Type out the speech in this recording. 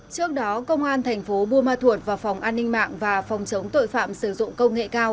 trước đó công an tp buôn ma thuật và phòng an ninh mạng và phòng chống tội phạm sử dụng công nghệ cao